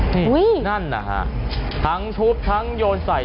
นั่นเนี่ยครับทั้งทุบทั้งโยนใส่